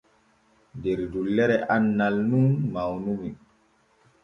Der dullere annal nun mawnumi.